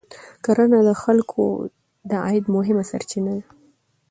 کرنه د خلکو د عاید مهمه سرچینه ده